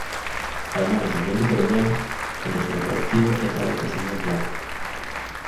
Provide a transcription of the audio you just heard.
Además de su ambiente colonial, entre sus atractivos está la artesanía en plata.